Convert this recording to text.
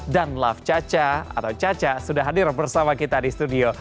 dan lafcaca atau caca sudah hadir bersama kita di studio